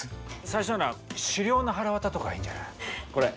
最初なら「死霊のはらわた」とかいいんじゃない？